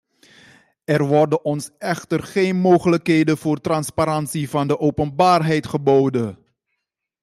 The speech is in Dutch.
Er worden ons echter geen mogelijkheden voor transparantie van de openbaarheid geboden.